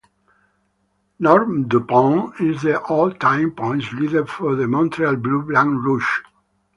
Norm Dupont is the all-time points leader for the Montreal Bleu Blanc Rouge.